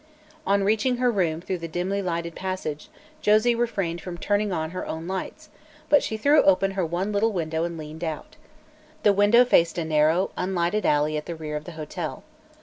On reaching her room through the dimly lighted passage, Josie refrained from turning on her own lights, but she threw open her one little window and leaned out. The window faced a narrow, unlighted alley at the rear of the hotel.